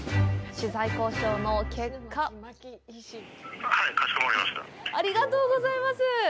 取材交渉の結果ありがとうございます！